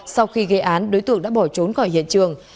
sau khi gây án đối tượng đã bỏ trốn khỏi hiện trường